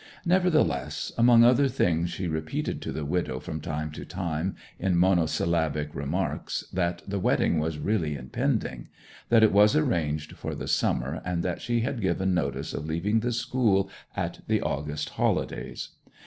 Nevertheless, among other things, she repeated to the widow from time to time in monosyllabic remarks that the wedding was really impending; that it was arranged for the summer, and that she had given notice of leaving the school at the August holidays.